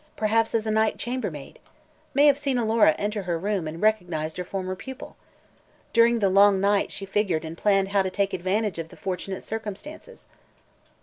Perhaps as a night chambermaid. May have seen Alora enter her room and recognized her former pupil. During the long night she figured and planned how to take advantage of the fortunate circumstances.